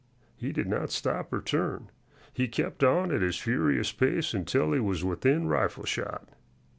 He did not stop or turn. He kept on at his furious pace until he was within rifle shot.